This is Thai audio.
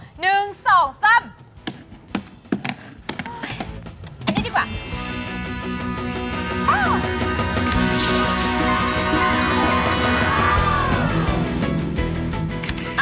อันนี้ดีกว่า